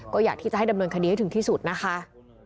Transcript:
ก็อยากที่จะให้ดำเนินคดีให้ถึงที่สุดนะคะ